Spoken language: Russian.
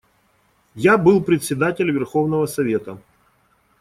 Я был председатель Верховного Совета.